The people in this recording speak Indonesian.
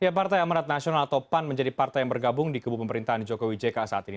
ya partai amarat nasional atau pan menjadi partai yang bergabung di kubu pemerintahan jokowi jk saat ini